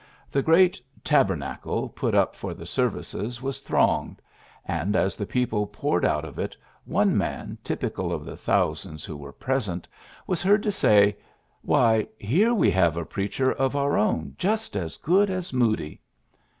The great '' taber nacle '^ put up for the services was PHILLIPS BKOOKS 63 thronged ; and, as the people j^oured out of it, one laan, typical of the thou sands who were present, was heard to say: ^^Why, here we have a preacher of our own just as good as Moody."